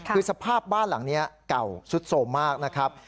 คือสภาพบ้านหลังนี้เก่าสุดโสมมากนะครับ